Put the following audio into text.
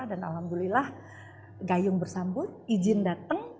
dan alhamdulillah gayung bersambut izin datang